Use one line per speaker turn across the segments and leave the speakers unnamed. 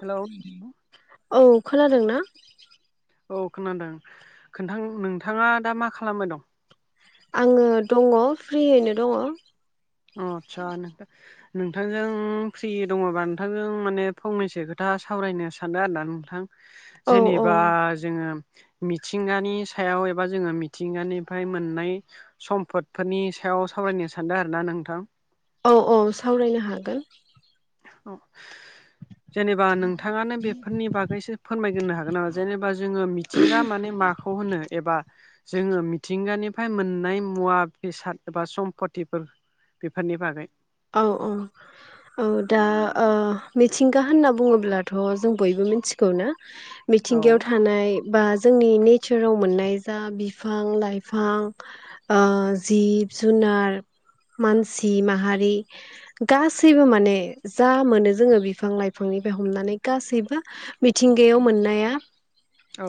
Hello
औ खोनादोंना
औ खोनादों खोनथां नोंथाङा दा मा खालामबाय दं?
आङो दङ' फ्रियैनो दङ।
अ आतसा नोंथां नोंथांजों फ्रियै दङबा नोंथांजों माने फंनैसो खोथा सावरायनो सादो आरोना नोंथां।
औ औ
जेनेबा जोङो मिथिंगानि सायाव एबा जोङो मिथिंगानिफ्राय मोननाय सम्पदफोरनि सायाव सावरायनो सानदों आरोना नोंथां
औ-औ सावरायनो हागोन
जेनेबा नोंथाङानो बेफोरनि बागैसो फोरमायग्रोनो हागोन नामा जेनेबा जोङो मिथिंगा माने माखौ होनो एबा जोङो मिथिंगानिफ्राय मोननाय मुवा बेसाद एबा सम्पतिफोर बेफोरनि बागै
औ-औ औ दा मिथिंगा होनना बुङोब्लाथ' जों बयबो मिथिगौ ना
औ
मिथिंगायाव थानाय बा जोंनि नेसाराव मोननाय जा बिफां लाइफां जिब जुनार मानसि माहारि गासैबो माने जा मोनो जोङो बिफां लाइफांनिफ्राय हमनानै गासैबो मिथिंगायाव मोननाया
औ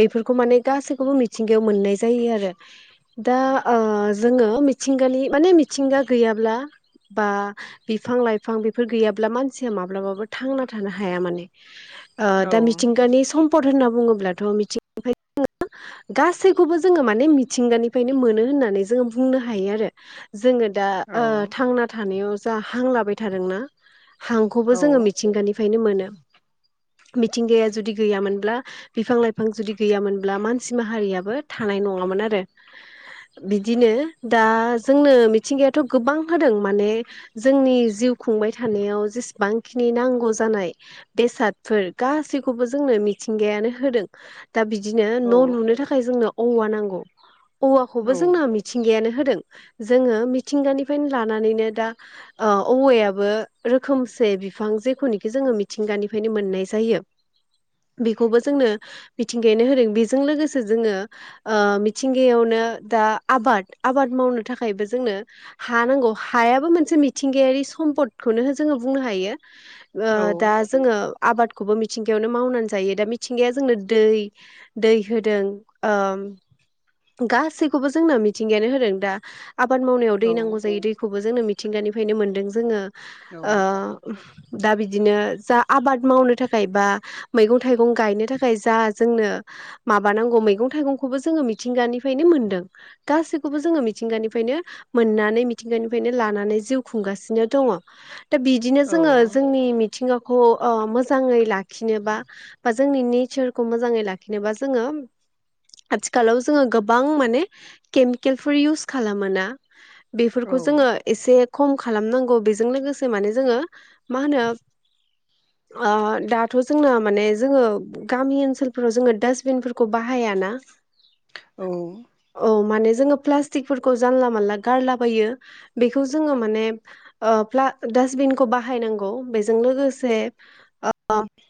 बेफोरखौ माने गासैखौबो मिथिंगायाव मोननाय जायो आरो दा जोङो मिथिंगानि माने मिथिंगा गैयाब्ला बा बिफां लाइफां बेफोर गैयाब्ला मानसिया माब्लाबाबो थांना थानो हाया माने
औ
दा मिथिंगानि सम्पद होनना बुङोब्लाथ' मिथिंगानिफ्राय जोङो गासैखौबो जोङो माने मिथिंगानिफ्रायनो मोनो होननानै जोङो बुंनो हायो आरो जोङो दा थांना थानायाव जा हां लाबाय थादोंना हांखौबो
औ
जोङो मिथिंगानि फ्रायनो मोनो मिथिंगाया जुदि गैयामोनब्ला बिफां लाइफां जुदि गैयामोनब्ला मानसि माहारियाबो थानाय नङामोन आरो बिदिनो दा जोंनो मिथिंगायाथ' गोबां होदों माने जोंनि जिउ खुंबाय थानायाव जेसेबांखिनि नांगौ जानाय बेसादफोर गासैखौबो जोंनो मिथिंगायानो होदों दा बिदिनो
औ
न' लुनो थाखाय जोंनो औवा नांगौ
औ
औवाखौबो जोंना मि मिथिंगायानो होदों जोङो मिथिंगानिफ्रायनो लानानैनो दा औवायाबो रोखोमसे बिफां जेखुनिखि जोङो मिथिंगानिफ्रायनो मोननाय जायो बेखौबो जोंनो मिथिंगायनो होदों बेजों लोगोसे जोङो मिथिंगायावनो दा आबाद आबाद मावनो थाखायबो जोंनो हा नांगौ हायाबो मोनसे मिथिंगायारि सम्पदखौनो जोङो बुंनो हायो ओ
औ
दा जोङो आबादखौबो मिथिंगायावनो मावनानै जायो दा मिथिंगाया जोंनो दै दै होदों ओम गासैखौबो जोंना मिथिंगायानो होदों दा आबाद मावनायाव
औ
दै नांगौ जायो दैखौबो जोंनो मिथिंगानिफ्रायनो मोनदों जोङो
औ
ओ दा बिदिनो जा आबाद मावनो थाखाय बा मैगं थाइगं गायनो थाखाय जा जोंनो माबानांगौ मैगं थाइगंखौबो जोङो मिथिंगानिफ्रायनो मोनदों गासैखौबो जोङो मिथिंगानिफ्रायनो मोननानै मिथिंगानिफ्रायनो लानानै जिउ खुंगासिनो दङ दा बिद बिदिनो जोङो
औ
जोंनि मिथिंगाखौ मोजाङै लाखिनोबा जोंनि नेचारखौ मोजाङै लाखिनोबा जोङो आथिखालाव जोङो गोबां माने केमिकेलफोर इउस खालामोना
औ
बेफोरखौ जोङो एसे खम खालामनांगौ बेजों लोगोसे माने जोङो मा होनो दाथ' जोंना माने जोङो गामि ओनसोलफोराव जोङो डास्टबिनफोरखौ बाहायाना
औ
औ माने जोंङो प्लास्टिकफोरखौ जानला मानला गारलाबायो बेखौ जोंङो माने प्ला डासटबिनखौ बाहायनांगौ बेजों लोगोसे ओ
[inaudible]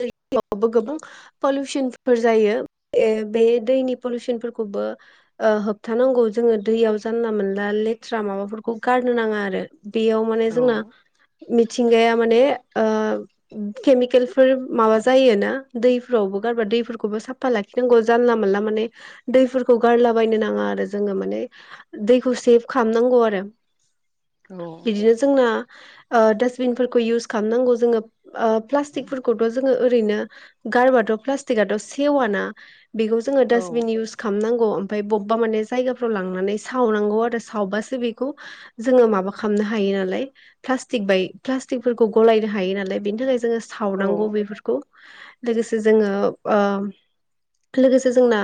[unintelligible] बो गोबां पलिउसनफोर जायो बे दैनि पलिउसनफोरखौबो होबथानांगौ जोंङो दैयाव जानला मोनला लेथ्रा माबाफोरखौ गारनो नांङा आरो बेयाव माने
औ
जोंना मिथिंगाया माने केमिकेल फोर माबा जायो ना दैफोरावबो गारबा दैफोरखौबो साफा लाखिनांगौ जानला मोनला माने दैफोरखौ गारलाबायनो नांङा आरो जोंङो माने दैखौ सेभ खालामनांगौ आरो बिदिनो जोंना दिसबिनफोरखौ इउस खालामनांगौ जोंङो प्लास्टि टिकखौथ' जोंङो ओरैनो गारबाथ' प्लास्टिकथ' सेवाना बेखौ जोंङो दास्बिन इउस खालामनांगौ ओमफाय बबबा माने जायगाफ्राव लांनानै सावनांगौ आरो सावबासो बेखौ जोंङो माबा खालामनो हायो नालाय प्लास्टिक बाय प्लास्टिकफोरखौ गलायनो हायो नालाय बेनि थाखाय जोंङो
औ
सावनांगौ बेफोरखौ लोगोसे जोंङो लोगोसे जोंना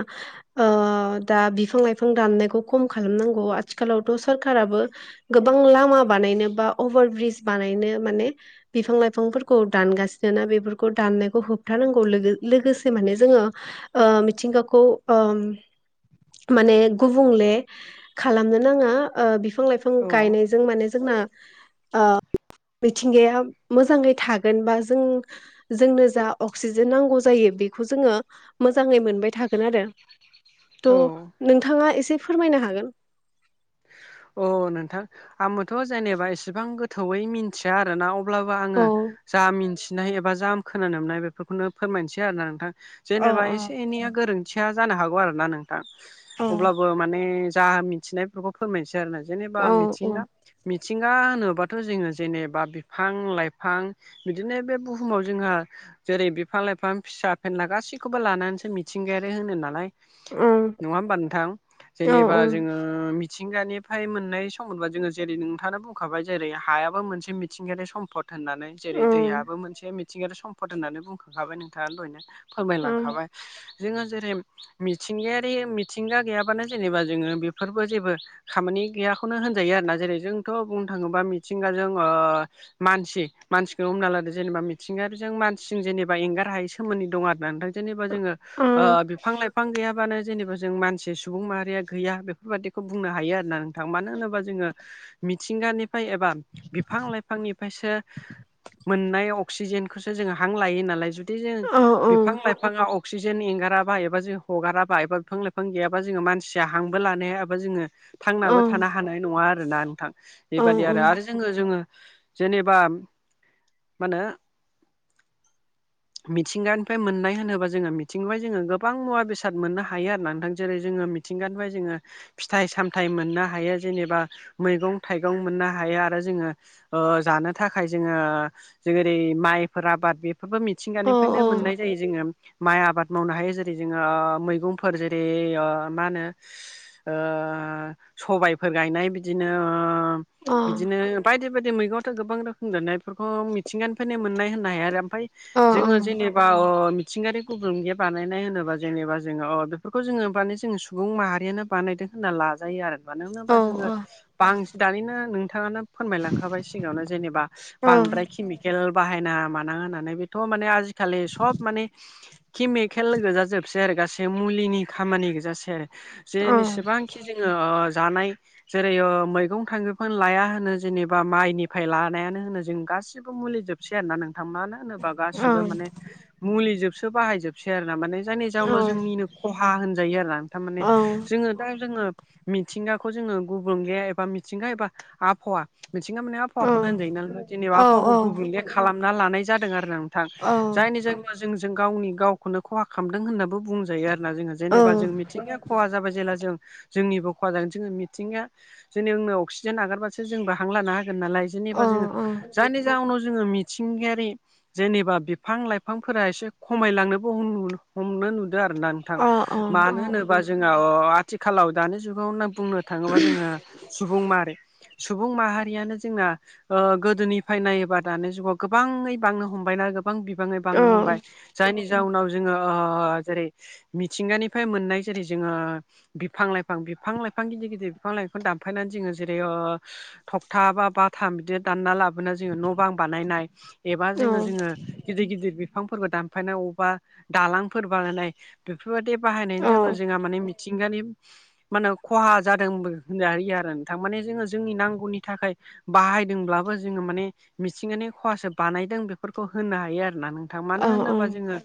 दा बिफां लाइफां दाननायखौ खम खालामनांगौ आथिखालावथ' सोरखाराबो गोबां लामा बानायनो बा अभार ब्रिज बानायनो माने बिफां लाइफांफोरखौ दानगासिनो जोंना बेफोरखौ दाननायखौ होबथानांगौ लोगोसे माने जोंङो ओ मिथिंगाखौ माने गुबुंले खालामनो नांङा बिफां लाइफां
औ
गायनायजों माने जोंना मिथिंगाया मोजांङै थागोन बा जों जोंनो जा अक्सिजेन नांगौ जानायो बेखौ जोंङो मोजांङै मोन बाय थागोन आरो
औ
थ' नोंथांङा एसे फोरमायनो हागोन
अ नोंथां आंबोथ' जेनेबा एसेबां गोथौयै मि थिया आरो ना अब्लाबो
औ
आंङो जा मिनथि नाय एबा जा आं खोनानो मोननाय बेफोरखौनो फोरमायनोसै आरो ना नोंथां
अ
जेनेबा एसे एनैया गोरोन मिथिया जानो हागौ आरो ना नोंथां अब्लाबो माने जा मिथिनायफोरखौ फोरमायनोसै आरो
अ
जेनेबा मिथिंगा मिथिंगा होनोबाथ' जोंङो जेनेबा बिफां लाइफां बिदिनो बे बुहुमाव जोंहा जेरै बिफां लाइफां फिसा फेनला गासैखौबो लानानैसो मिथिंगायारि होनो नालाय नंङा होमबा नोंथां जेनेबा जोंङो मिथिंगानिफ्राय मोननाय सम्पद जोंङो जेरै नोंथांङा बुंखाबाय जेरै हायाबो मोनसे मिथिंगायारि सम्पद होननानै जेरै दैयाबो मोनसे मिथिंगायारि सम्फद होननानै बुंखांखाबाय नोंथांङा दहायनो फोरमायलांखाबाय जोंङो जेरै मिथिंगायारि मिथिंगा गैयाबानो जेनेबा जोंङो बेफोरबो जेबो खामानि गैयाखौनो होनजायो आरोना जेरै जोंथ' बुंनो थांङोबा मिथिंगाजों मानसि मानसिखौ हमना लादो जेनेबा मिथिंगायों मानसिजों जेनेबा एंगार हाय सोमोन्द दं आरो ना नोंथां जेनेबा जोंङो बिफां लाइफां गैयाबानो जेनेबा जों मानसि सुबुं माहारिया गैया बेफोरबायदिखौ बुंनो हायो आरो ना नोंथां मानो होनोबा जोंङो मिथिंगानिफ्राय एबा बिफां लाइफांनिफ्रायसो मोननाय अक्सिजेनखौसो जोंङो हां लायो। नालाय जुदि जों बिफां लाइफाङा अक्सिजेन एंगाराबा एबा जों हगाराबा एबा बिफां लाइफां गैयाबा जोंङो मानसिया हांबो लानो हाया एबा जोंङो थांनाबो थानो हानाय नंङा आरो ना ना नोंथां बेबादि आरो आरो जोंङो जोंङो जेनेबा मानो मिथिंगानिफ्राय मोननाय होनोबा जोङो मिथिंगानिफायु जोङो गोबां मुवा बेसाद मोननो हायो आरो‌ना नोंथां जेरै जोङो मिथिंगानिफ्राय जोङो फि थाइ सामथाइ मोननो हायो जेनेबा मैगं थाइगं मोननो हायो आरो जोङो जानो थाखाय जोङो जेरै माइफोर आबाद बेफोरबो मिथिंगानिफ्रायनो मोननाय जायो जोङो माइ आबाद मावनो हायो जेरै जोङो मैगंफोर जेरै मा होनो सबायफोर गायनाय बिदिनो बिदिनो बायदि बायदि मैगंथ' गोबां रोखोम जानायफोरखौ मिथिंगानिफारायनो मोननाय होननो हायो आरो ओमफ्राय जोङो जेनेबा आथिंगायारि गेब्रें बानायनाय होनोबा जेनेबा जोङो अ बेफोरखौ जोङो माने जोङो सुबुं माहारियानो बानायदों होनना लाजायो आरो मानो होनोबा जोङो बां दानिनो नोंथाङानो फोरमायलांखाबाय सिगाङावनो जेनेबा बांद्राय केमिकेल बाहायना मानाङा होननानै बेथ' माने आजिखालि सब माने केमिकेल गोजा जोबसै आरो गासै मुलिनि खामानि गोजाासै आरो जेनिसिबांखि जोङो जानाय जेरै मैगं थांगंफोर लाया होनो जेनेबा माइनिफ्राय लानायानो होनो जों गासि बो मुलि जोबसै आरो ना नोंथां मानो होनोबा गासिबो माने मुलि जोबसो बाहाय जोबसै आरोना माने जायनि जाउनाव जोंनिनो खहा होनजायो आरो आ थारमाने जोङो दा जोङो मिथिंगाखौ जोङो गुबुंले एबा मिथिंगा एबा आबहावा मिथिनो माने आहावाखौनो होनजायो ना जेनेबा आबहावाखौ गुबुनले खालामना लानाय जादों आरोना नो जायनि जाय जों जों गावनि गावखौनो खहा खालामदों होननाबो बुंजायो आरोना जोङो जेनेबा जों मिथिंगा खहा जाबाय ज जेला जों जोंनिबो खहा जागोन जोङो मिथिं जोंनि आंनो अक्सिजेन नागारबासो जोंबो हां लानो हायो गोन नालाय जेनेबा जोङो जायनि जाहोनाव जोङो मिथिंगायारि जेनेबा बिफां लाइफांफोरा एसे खमायलांनोबो हमनो नुदों आरोना मानो होनोबा जोंहा आथिखालाव दानि जुगाव बुंनो थाङोबा जोङो सुबुं माहारि सुबुं माहारियानो जोंना ओ गोदोनिफ्राय नायोबा दानि जुगाव गोबाङै बांनो हमबायना गो गोबां बिबाङै बांनो हमबाय जायनि जाहोनाव जोङो जेरै मिथिंगानिफ्राय मोननाय जेरै जोङो बिफां लाइफां बिफां लाइफां गिदिर गिदिर बिफां लाइफां दानफायनानै जोङो जेरै थखथा बा बाथाम बिदिनो दानना ला जोङो न' बां बानायनाय एबा जोङो जोङो गिदिर गिदिर बिफांफोरबो दानफायनाय अबा दालांफोर बानायनाय बेफोरबायदि बाहायनायनि जाहोनाव जोंहा माने मि मिथिंगानि माने खहा जादोंबो होनजायो आरो नोंथां माने जोङो जोंनि नांगौनि थाखाय बाहायदोंब्लाबो जोङो माने मिथिंगानि खहासो बानायदों बेफोरखौ होनो हायो आरोना नों थां मानो होनोबा जोङो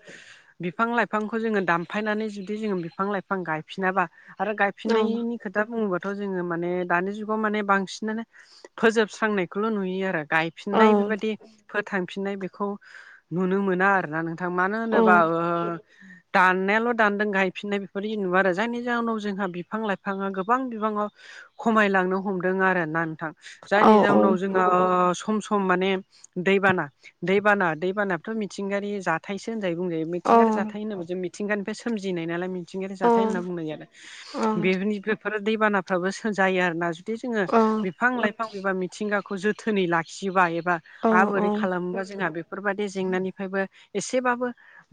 बिफां लाइफांखौ जोङो दामफायनानै जुदि जोङो बि बिफां लाइफां गायफिनाबा आरो गायफिननायनि खोथा बुङोबाथ' जोङो माने दानि जुगाव माने बांसिनानो फोजोबस्रांनायखौल' नुयो आरो गायफिननाय बेबायदि फोथांफिननाय बेखौ नुनो मोना आरोना नों नोंथां मानो होनोबा दाननायाल' दानदों गायफिननाय बेदि नुुवा आरो जायनि जाहोनाव जोंहा बिफां लाइफाङा गोबां बिबाङाव खमायलांनो हमदों आरोना नोंथां जायनि जाहोनाव जोंहा सम सम माने दैबाना दैबाना दैबानाथ' मिथिंगायारि जा थायसो होनजायो बुंजायो मिथिंगायारि जाथायसो होनजायो जों मिथिंगानिफ्राय सोमजिनाय नालाय मि थिंगायारि जाथाय होनना बुंनाय आरो बेनि बेफोर दैबानाफ्राबो जायो आरोना जाहाथे जोङो
औ
बिफां लाइफां एबा मिथिंगाखौ जोथोनै लाखियोबा एबा
औ
आरो बोरै खालामोबा जोंहा बेखौ बेफोरबायदि जेंनानिफ्रायबो एसेबाबो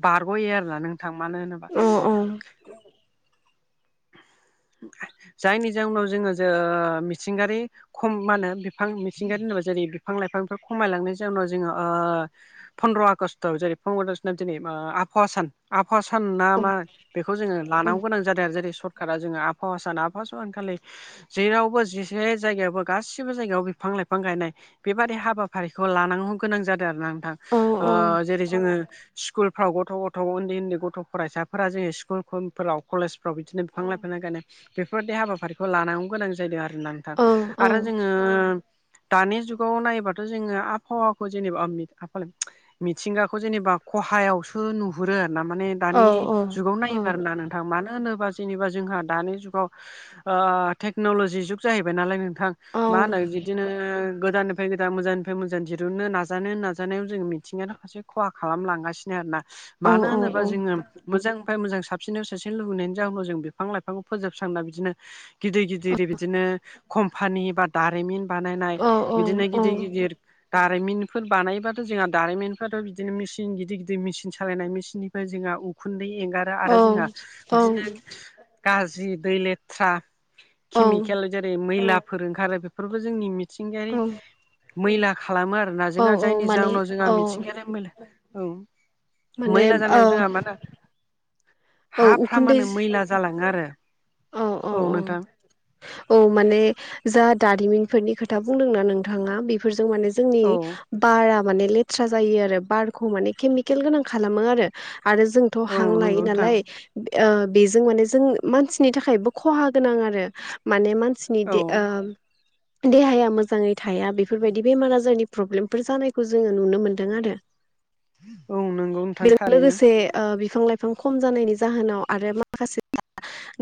बारग'यो आरोना नोंथां मानो होनोबा औ जायनि जाउनाव जोङो जों मिथिंगायारि खम मा होनो बिफां मिथिंगायारि होनोबा जेरै बिफां लाइफांफोर खमायलांनायनि जाहोनाव जोङो ओ फन्द्र आगष्टआव जेरै फन्द्र आगष्टआव दिनै आबहावा सान आबहावा सान ना मा बेखौ जोङो लानांगौ गोनां जादों आरो जेरै सरकारा जोङो आ आबहावा सान आबाहावा सानखालि जेरावबो जेसे जायगायावबो गासिबो जायगायाव बिफां लाइफां गायनाय बेबादि हाबाफारिखौ लाननो गोनां जादों आरो ना नोंथां जेरै जोङो स्कुलफ्राव गथ' गथ' उन्दै उन्दै गथ' फरायसाफोरा जोङो स्कुलफ्राव कलेजफ्राव बिदिनो बिफां लाइफां लागायनाय बेफोरबायदि हाबाफारिफोरखौ लानांगौ गोनां जा जादों आरो थां
औ
आरो जोङो दानि जुगाव नायोबाथ' जोङो आबहावाखौ जेनेबा मिथिंगाखौ जेनेबा खहायावसो नुहुरो आरो ना माने दानि
औ
जुगाव नायोबो आरो ना नोंथां मानो होनोबा जेनेबा जोंहा दानि जुगाव टेक्न'लजि जुग जाहैबाय नालाय नोंथ थां मा होनो बिदिनो गोदान फ्राय गोदान मोजांनिफ्राय मोजां दिरुननो नाजानो नाजानायाव जोङो मिथिंगायानो फारसे खहा खालामलांगासिनो आरो ना मानो होनोबा जोङो मोजांनिफ्राय मोजां साबसिननिफाराय साबसिन लुबैनायनि जाहोनाव जों बिफां लाइफांखौ फोजोबस्रांना बिदिनो गिदिर गिदिर बिदिनो कम्पानि बा दारिमिन बानायनाय बिदिनो गिदिर गिदिर दारिमिनफोर बानायबाथ' जोंहा दारिमिनफ्राथ' बिदिनो मिसिन गिदिर गिदिर मेचिन सालायनाय मेसिन जोंहा उखुन्दै एंगारो आरो जोंहा बिदिनो गाज्रि दै लेथ्रा केमिकेल जेरै मैला फोर ओंखारो बेफोरबो जोंनि
औ
मिथिंगायारि मैला खालामो आरोना जोंहा
औ
जायनि
माने
जाहोनाव जोंहा
औ
मिथिंगायारि मैला औ
माने
मैला
औ
जानायाव जोंहा मा होनो
औ
हा
उखुन्दै
मैला जालाङो आरो औ नोंथां
औ माने जा दारिमिनफोरनि खोथा बुंदोंना नोंथाङा बेफोरजों माने जोंनि
औ
बारा माने लेथ्रा जायो आरो बारखौ माने केमिकेल गोनां खालामो आरो आरो जों थ'
औ
हां लायो
नंगौ नोंथां
नालाय बेजों माने जों मानसिनि थाखायबो खहा गोनां आरो माने मानसि
औ
देह मोजाङै थाया बेफोरबायदि बेमार आजारनि प्रब्लेमफोर जानायखौ जोङो नुनो मोनदों आरो
औ नंगौ नोंथां
बेजों
थारैनो
लोगोसे बिफां लाइफां खम जानायनि जाहोनाव आरो माखासे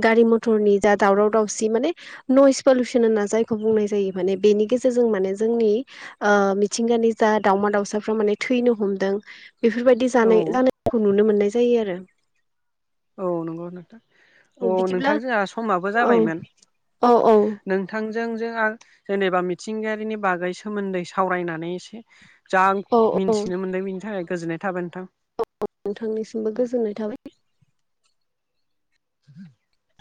गारि मथरनि जा दावराव दावसि माने नयस पलिसन होनना जायखौ बुंनाय जायो माने बेनि गेजेरजों माने जोंनि मिथिंगानि जा दावमा दाउसाफ्रा माने थैनो हमदों बेफोरबायदि
औ
जानाय जानायखौ नुनो मोननाय जायो आरो
औ नंगौ नोंथां
औ
अ
बिदिब्ला
नोंथां जोंहा समाबो
औ
जाबायमोन
औ
नों बिथांजोंजों जेनेबा मिथिंगायारिनि बागै सोमोन्दै सावरायनानै एसे जा आं
औ औ
मिन्थिनो मोन्दों बिनि थाखाय गोजोननाय थाबाय नोंथां
नोंथांनिसिमबो गोजोननाय थाबाय
ह [inaudible]